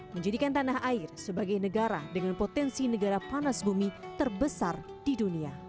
menjadikan tanah air sebagai negara dengan potensi negara panas bumi terbesar di dunia